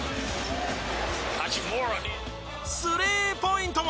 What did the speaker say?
スリーポイントも！